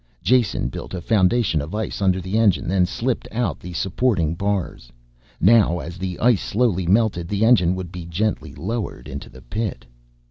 Jason built a foundation of ice under the engine then slipped out the supporting bars. Now as the ice slowly melted the engine would be gently lowered into the pit.